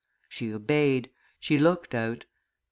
She obeyed; she looked out.